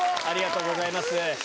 ありがとうございます。